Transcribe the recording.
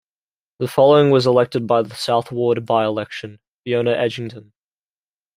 The following was elected in the South Ward by-election: Fiona Edgington.